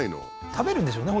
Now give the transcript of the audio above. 食べるんでしょうね